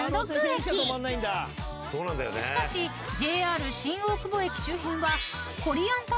［しかしＪＲ新大久保駅周辺は］